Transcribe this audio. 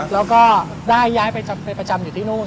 แล้วก็ได้ย้ายไปประจำอยู่ที่นู่น